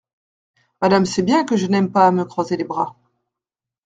Madame sait bien que je n’aime pas à me croiser les bras…